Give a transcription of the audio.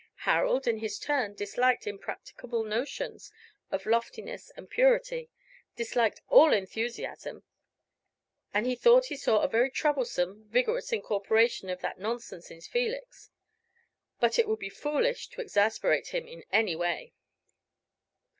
Harold, in his turn, disliked impracticable notions of loftiness and purity disliked all enthusiasm; and he thought he saw a very troublesome, vigorous incorporation of that nonsense in Felix. But it would be foolish to exasperate him in any way.